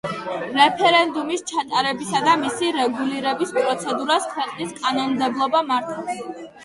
რეფერენდუმის ჩატარებისა და მისი რეგულირების პროცედურას ქვეყნის კანონმდებლობა მართავს.